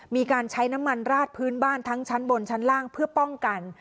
มีการใช้น้ำมันราดพื้นบ้านทั้งชั้นบนชั้นล่างเพื่อป้องกัน